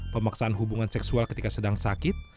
pemaksaan hubungan seksual ketika sedang sakit